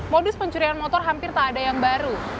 modus pencurian motor hampir tak ada yang baru